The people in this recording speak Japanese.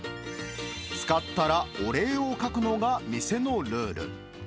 使ったら、お礼を書くのが店のルール。